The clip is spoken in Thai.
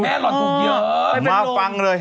อ๋อแม่รอนถูกเยอะ